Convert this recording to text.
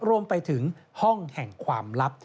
รวมไปถึงห้องแห่งความลับ